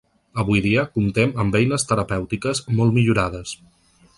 Avui dia comptem amb eines terapèutiques molt millorades.